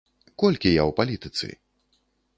Колькі я ў палітыцы?